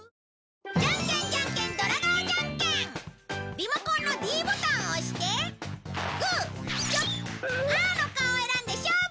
リモコンのｄボタンを押してグーチョキパーの顔を選んで勝負！